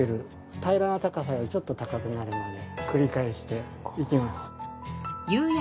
平らな高さよりちょっと高くなるまで繰り返していきます。